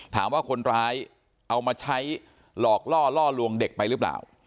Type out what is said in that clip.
ถามว่าคนร้ายเอามาใช้หลอกล่อล่อลวงเด็กไปหรือเปล่า